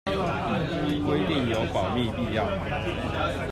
規定有保密必要